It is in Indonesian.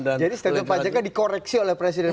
jadi statement pak jk dikoreksi oleh presiden